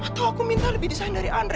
atau aku minta lebih desain dari andre